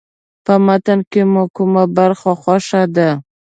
په متن کې مو کومه برخه خوښه ده.